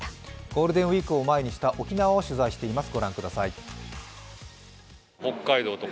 ゴールデンウイークを前にした沖縄を取材しています。